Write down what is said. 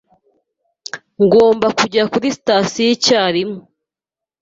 Ngomba kujya kuri sitasiyo icyarimwe.